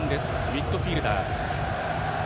ミッドフィールダー。